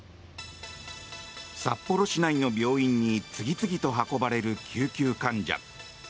札幌市内の病院に次々と運ばれる救急患者。